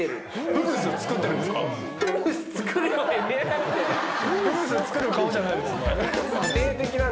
フムス作る顔じゃないですね。